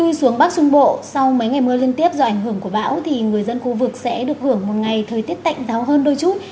lùi xuống bắc trung bộ sau mấy ngày mưa liên tiếp do ảnh hưởng của bão thì người dân khu vực sẽ được hưởng một ngày thời tiết tạnh giáo hơn đôi chút